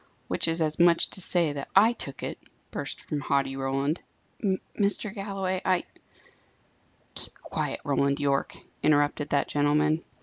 "Which is as much as to say that I took it," burst from haughty Roland. "Mr. Galloway, I " "Keep quiet, Roland Yorke," interrupted that gentleman.